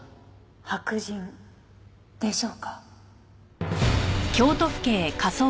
白人でしょうか？